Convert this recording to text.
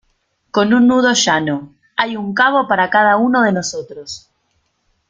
con un nudo llano. hay un cabo para cada uno de nosotros